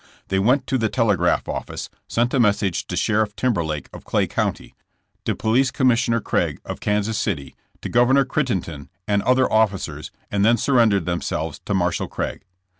They went to the telegraph office, sent a message to Sheriff Timberlake, of Clay County; to Police Commissioner Craig, of Kansas City; to Gov ernor Crittenden, and other officers, and then sur rendered themselves to Marshal Craig.